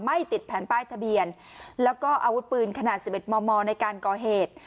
ไม่ติดแผ่นป้ายทะเบียนแล้วก็อาวุธปืนขนาด๑๑มมในการก่อเหตุ